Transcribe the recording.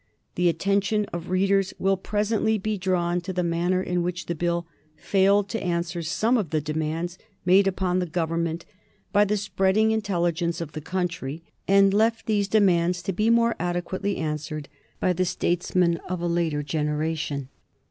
The attention of readers will presently be drawn to the manner in which the Bill failed to answer some of the demands made upon the Government by the spreading intelligence of the country, and left these demands to be more adequately answered by the statesmen of a later generation.